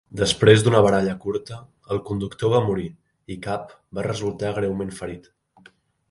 Després d'una baralla curta, el conductor va morir i Kapp va resultar greument ferit.